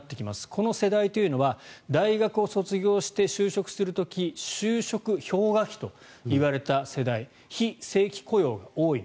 この世代というのは大学を卒業して就職する時就職氷河期といわれた世代非正規雇用も多い。